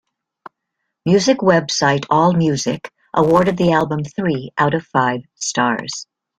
Music website AllMusic awarded the album three out of five stars.